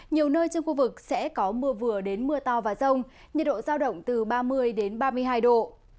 nhiều nơi trên khu vực sẽ có mưa vừa đến mưa to và rông nhiệt độ giao động từ ba mươi ba mươi hai độ